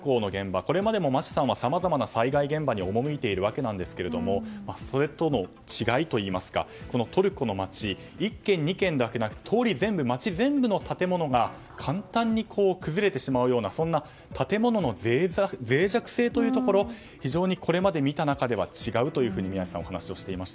これまでも町さんはさまざまな災害現場に赴いているわけなんですがそれとの違いというかトルコの街の１軒、２軒だけでなく通り全部、町全部の建物が簡単に崩れてしまうような建物の脆弱性というところを非常にこれまで見た中で違うと皆さん、お話しされていました。